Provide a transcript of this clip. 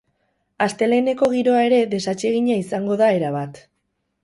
Asteleheneko giroa ere desatsegina izango da erabat.